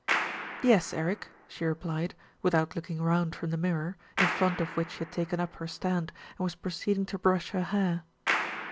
"Yes, Eric," she replied, without looking round from the mirror, in front of which she had taken up her stand and was proceeding to brush her hair.